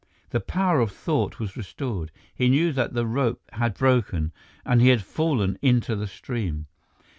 The power of thought was restored; he knew that the rope had broken and he had fallen into the stream.